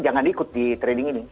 jangan diikuti trading ini